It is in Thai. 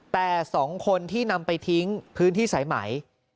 แต่๒คนที่นำไปทิ้งพื้นที่สายไหม